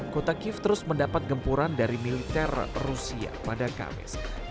kota kiev terus mendapat gempuran dari militer rusia pada kamis